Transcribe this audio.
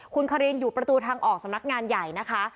คุณคารินอยู่ประตูทางออกสำนักงานใหญ่นะคะ